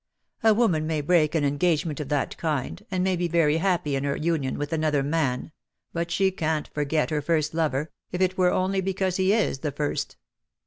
A woman may break an engage ment of that kind, and may be very happy in her union with another man, but she can't forget her first lover, if it were only because he is the first.